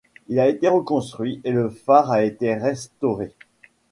Il a été reconstruit et le phare a été restauré.